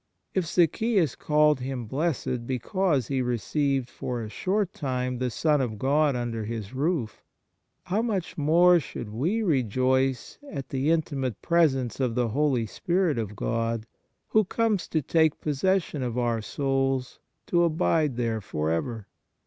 If Zaccheus called himself blessed because he received for a short time the Son of God under his roof, how much more should we rejoice at the intimate presence of the Holy Spirit of God, who comes to take possession of our souls to abide there for ever